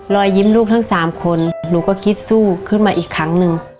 รอยยิ้มลูกทั้ง๓คนหนูก็คิดสู้ขึ้นมาอีกครั้งหนึ่ง